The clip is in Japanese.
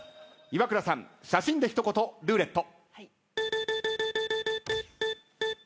イワクラさん写真で一言ルーレット。